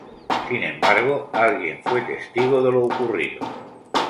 Sin embargo, alguien fue testigo de lo ocurrido.